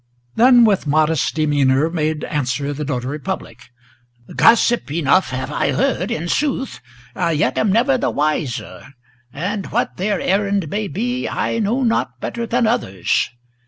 Then with modest demeanor made answer the notary public: "Gossip enough have I heard, in sooth, yet am never the wiser; And what their errand may be I know not better than others.